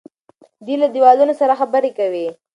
دی له دیوالونو سره خبرې کوي.